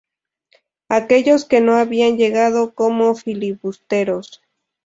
Aquellos que no habían llegado como filibusteros.